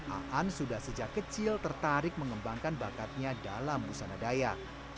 aan sudah sejak kecil tertarik mengembangkan bakatnya dalam busana dayak